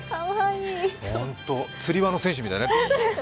ほんと、つり輪の選手みたいね。